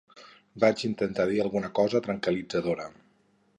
Vaig intentar dir alguna cosa tranquil·litzadora.